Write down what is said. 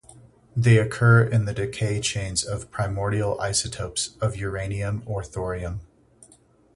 They occur in the decay chains of primordial isotopes of uranium or thorium.